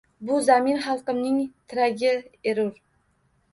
Bu zamin xalqimning tiragi erur